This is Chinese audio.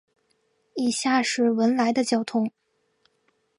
以下是文莱的交通